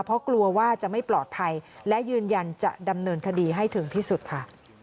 เพราะกลัวว่าจะไม่ปลอดภัยและยืนยันจะดำเนินคดีให้ถึงที่สุดค่ะ